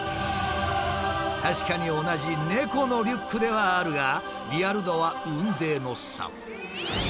確かに同じ「猫のリュック」ではあるがリアル度は雲泥の差。